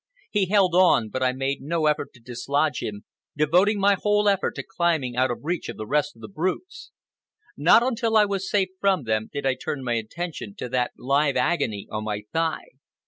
He held on, but I made no effort to dislodge him, devoting my whole effort to climbing out of reach of the rest of the brutes. Not until I was safe from them did I turn my attention to that live agony on my thigh.